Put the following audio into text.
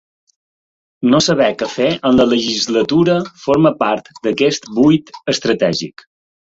No saber què fer amb la legislatura forma part d’aquest buit estratègic.